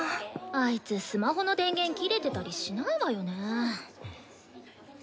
あいつスマホの電源切れてたりしないわよね。